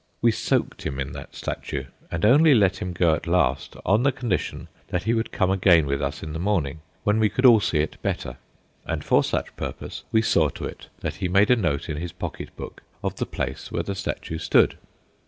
We soaked him in that statue, and only let him go at last on the condition that he would come again with us in the morning, when we could all see it better, and for such purpose we saw to it that he made a note in his pocket book of the place where the statue stood.